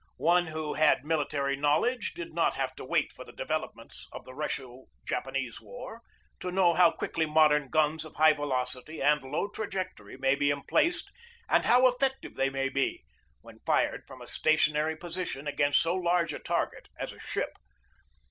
One who had military knowledge did not have to wait for the developments of the Russo Japanese War to know how quickly modern guns of high velocity and low trajectory may be emplaced and how effective THE BATTLE OF MANILA BAY 209 they may be, when fired from a stationary position, against so large a target as a ship.